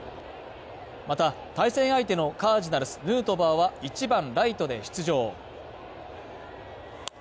また、対戦相手のカージナルスヌートバーは１番ライトで出場。